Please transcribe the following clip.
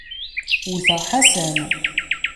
Wteɣ Ḥasan.